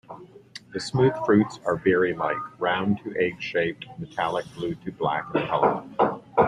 The smooth fruits are berry-like, round to egg-shaped, metallic blue to black in color.